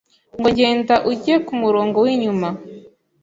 ngo genda ujye ku murongo w’inyuma